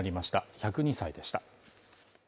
１０２歳でした。